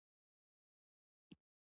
غوښې د افغان تاریخ په کتابونو کې ذکر شوی دي.